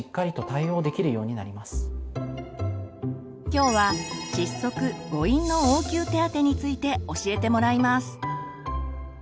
きょうは窒息誤飲の応急手当について教えてもらいます。